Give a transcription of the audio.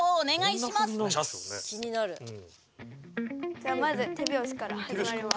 じゃあまず手拍子から始まります。